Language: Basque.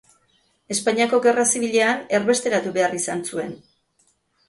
Espainiako Gerra Zibilean erbesteratu behar izan zuen.